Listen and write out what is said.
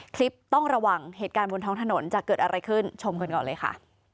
คลิปต้องระวังเหตุการณ์บนท้องถนนจะเกิดอะไรขึ้นชมกันก่อนเลยค่ะ